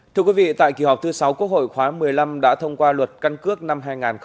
thưa quý vị tại kỳ họp thứ sáu quốc hội khóa một mươi năm đã thông qua luật căn cước năm hai nghìn hai mươi ba